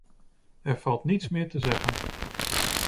Er valt niets meer te zeggen.